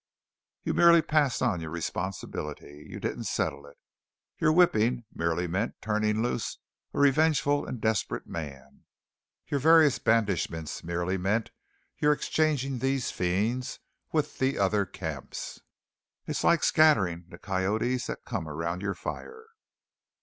You merely passed on your responsibility; you didn't settle it. Your whipping merely meant turning loose a revengeful and desperate man. Your various banishments merely meant your exchanging these fiends with the other camps. It's like scattering the coyotes that come around your fire."